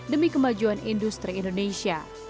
demi kemajuan industri indonesia